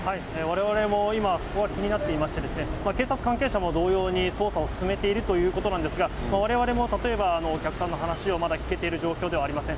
われわれも今、そこが気になっていまして、警察関係者も同様に捜査を進めているということなんですが、われわれも、例えばお客さんの話をまだ聞けている状況ではありません。